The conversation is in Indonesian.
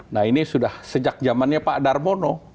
nah ini sudah sejak zamannya pak darmono